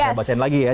saya bacain lagi ya